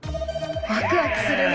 ワクワクするね。